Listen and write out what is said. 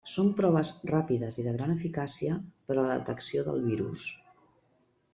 Són proves ràpides i de gran eficàcia per a la detecció del virus.